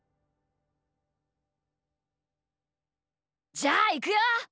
じゃあいくよ？